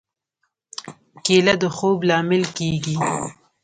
کېله د خوب لامل کېږي.